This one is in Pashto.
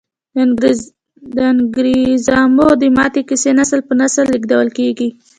د انګریزامو د ماتې کیسې نسل په نسل لیږدول کیږي.